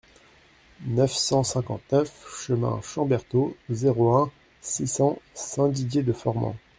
neuf cent cinquante-neuf chemin Chamberthaud, zéro un, six cents, Saint-Didier-de-Formans